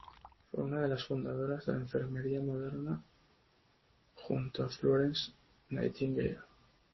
Fue una de las fundadoras de la enfermería moderna junto a Florence Nightingale.